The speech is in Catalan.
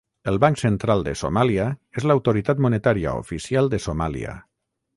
El Banc Central de Somàlia és l'autoritat monetària oficial de Somàlia.